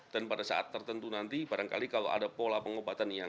dan pada saat tertentu nanti barangkali kalau ada pola pengobatan yang